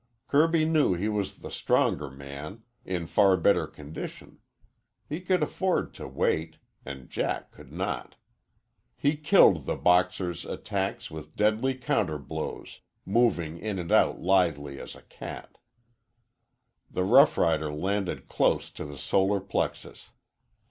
Kirby knew he was the stronger man, in far better condition. He could afford to wait and Jack could not. He killed the boxer's attacks with deadly counter blows, moving in and out lithely as a cat. The rough rider landed close to the solar plexus.